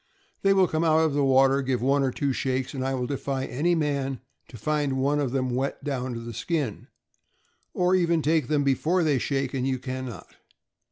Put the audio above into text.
They will come out of the water, give one or two shakes, and I will defy any man to find one of them wet down to the skin; or even take them before they shake, and you can not.